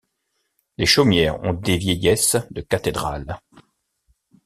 Les chaumières ont des vieillesses de cathédrales.